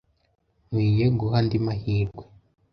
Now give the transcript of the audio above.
Nkwiye guha andi mahirwe.